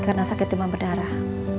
karena sakit demam berdarah